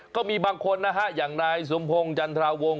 ก็มีบางคนนะฮะอย่างนายสมพงศ์จันทราวงศ